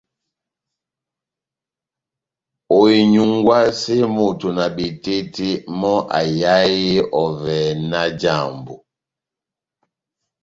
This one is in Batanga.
Oinyungwase moto na betete mò aihae ovè nájàmbo.